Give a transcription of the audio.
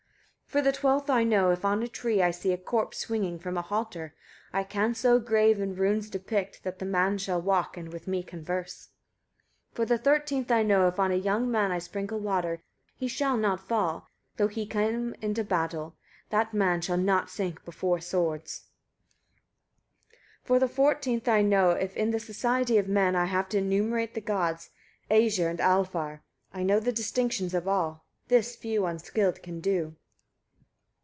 159. For the twelfth I know, if on a tree I see a corpse swinging from a halter, I can so grave and in runes depict, that the man shall walk, and with me converse. 160. For the thirteenth I know, if on a young man I sprinkle water, he shall not fall, though he into battle come: that man shall not sink before swords. 161. For the fourteenth I know, if in the society of men I have to enumerate the gods, Æsir and Alfar, I know the distinctions of all. This few unskilled can do.